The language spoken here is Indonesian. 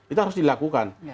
itu harus dilakukan